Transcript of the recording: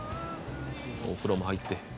「お風呂も入って」